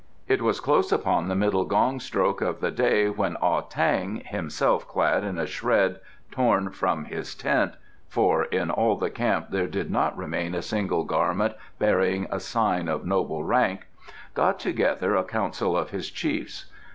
It was close upon the middle gong stroke of the day when Ah tang, himself clad in a shred torn from his tent (for in all the camp there did not remain a single garment bearing a sign of noble rank), got together a council of his chiefs.